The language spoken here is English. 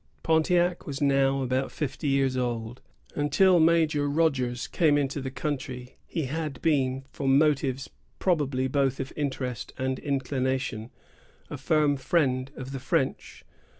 Pontiac was now about fifty years old. Until Major Rogers came into the country, he had been, from motives probably both of interest and inclination, a firm friend of the French.